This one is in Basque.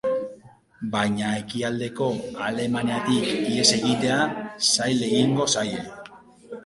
Baina Ekialdeko Alemaniatik ihes egitea zail egingo zaie.